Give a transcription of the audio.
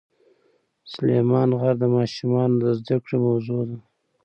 سلیمان غر د ماشومانو د زده کړې موضوع ده.